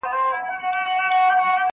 نه له کلا، نه له ګودر، نه له کېږدیه راځي!!